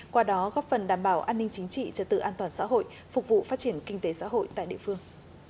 qua đó góp phần đảm bảo an ninh chính trị trật tự an toàn xã hội phục vụ phát triển kinh tế xã hội tại địa phương